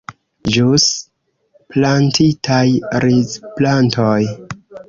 Ĵus plantitaj rizplantoj.